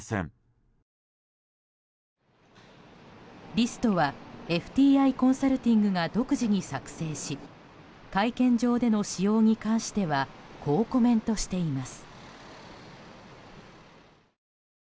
リストはＦＴＩコンサルティングが独自に作成し会見場での使用に関してはこうコメントしています。